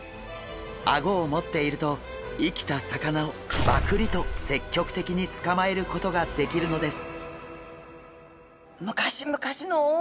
アゴを持っていると生きた魚をバクリと積極的に捕まえることができるのです。